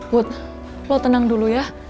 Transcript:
wood lo tenang dulu ya